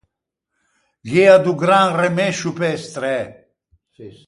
Gh’ea do gran remescio pe-e stræ.